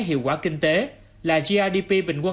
hiệu quả kinh tế là grdp bình quân